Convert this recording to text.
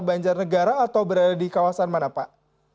banjar negara atau berada di kawasan mana pak